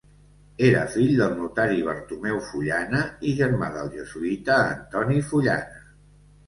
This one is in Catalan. Era fill del notari Bartomeu Fullana i germà del jesuïta Antoni Fullana.